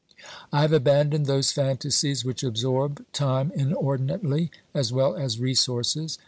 I have abandoned those fantasies which absorb time inordinately as well as resources.